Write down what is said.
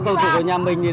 cầu thủ của nhà mình